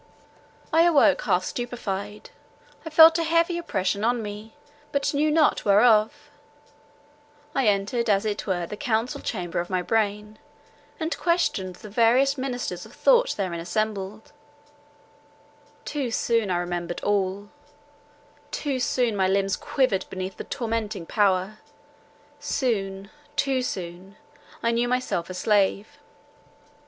I awoke half stupefied; I felt a heavy oppression on me, but knew not wherefore; I entered, as it were, the council chamber of my brain, and questioned the various ministers of thought therein assembled; too soon I remembered all; too soon my limbs quivered beneath the tormenting power; soon, too soon, I knew myself a slave!